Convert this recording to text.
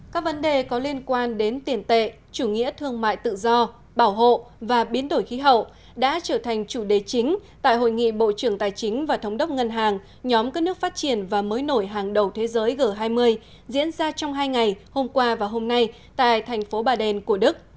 các vấn đề có liên quan đến tiền tệ chủ nghĩa thương mại tự do bảo hộ và biến đổi khí hậu đã trở thành chủ đề chính tại hội nghị bộ trưởng tài chính và thống đốc ngân hàng nhóm các nước phát triển và mới nổi hàng đầu thế giới g hai mươi diễn ra trong hai ngày hôm qua và hôm nay tại thành phố bà đen của đức